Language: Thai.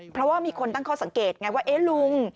เพราะว่ามีคนตั้งข้อสังเกตไงว่าเอ๊ะลุง